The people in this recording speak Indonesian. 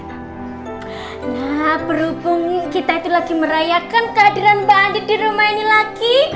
nah berhubungi kita itu lagi merayakan kehadiran mbak andi di rumah ini lagi